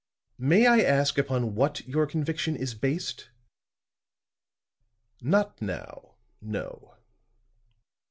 "May I ask upon what your conviction is based?" "Not now no."